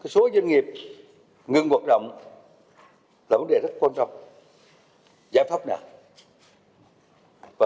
số doanh nghiệp ngừng hoạt động là vấn đề rất quan trọng giải pháp nào